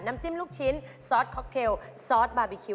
จิ้มลูกชิ้นซอสค็อกเทลซอสบาร์บีคิว